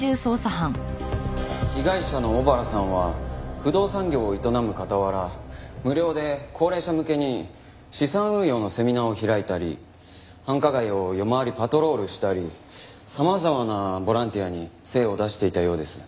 被害者の尾原さんは不動産業を営む傍ら無料で高齢者向けに資産運用のセミナーを開いたり繁華街を夜回りパトロールしたり様々なボランティアに精を出していたようです。